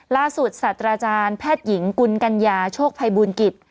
สัตว์อาจารย์แพทย์หญิงกุลกัญญาโชคภัยบูลกิจ